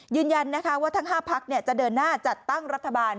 ยืนยันนะคะว่าทั้ง๕พักจะเดินหน้าจัดตั้งรัฐบาล